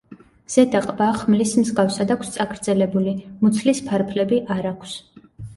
ზედა ყბა ხმლის მსგავსად აქვს წაგრძელებული, მუცლის ფარფლები არ აქვს.